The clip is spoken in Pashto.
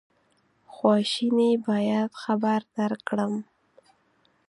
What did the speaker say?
خواشیني باید خبر درکړم.